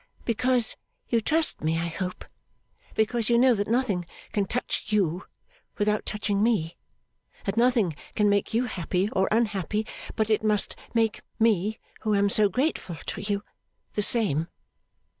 'Because you trust me, I hope. Because you know that nothing can touch you without touching me; that nothing can make you happy or unhappy, but it must make me, who am so grateful to you, the same.